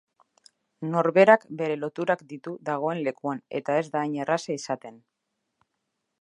Norberak bere loturak ditu dagoen lekuan eta ez da hain erraza izaten.